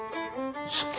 いつ？